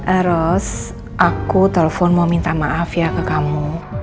eros aku telepon mau minta maaf ya ke kamu